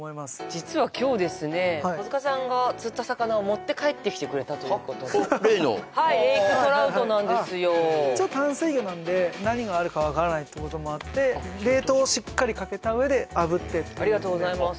実は今日ですね小塚さんが釣った魚を持って帰ってきてくれたということでおっ例のはいレイクトラウトなんですよ一応淡水魚なんで何があるか分からないってこともあって冷凍をしっかりかけた上であぶってっていうありがとうございます